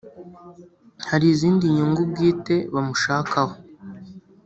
hari izindi nyungu bwite bamushakaho